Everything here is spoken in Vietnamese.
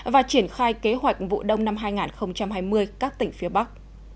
và triển khai kế hoạch vụ đông năm hai nghìn hai mươi các tỉnh phía bắc